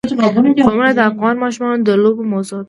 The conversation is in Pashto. قومونه د افغان ماشومانو د لوبو موضوع ده.